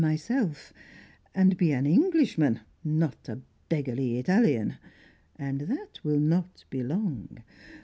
myself, and be an Englishman, not a beggarly Italian. And that will not be long.